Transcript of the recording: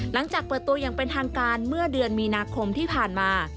หลังจากเปิดตัวอย่างเป็นทางการเมื่อเดือนมีนาคมที่ผ่านมา